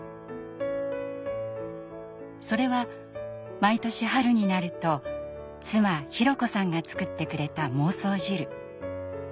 それは毎年春になると妻博子さんが作ってくれた孟宗汁。